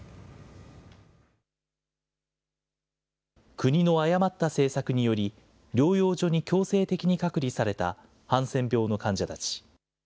国の誤った政策により、療養所に強制的に隔離されたハンセン病の患者たち。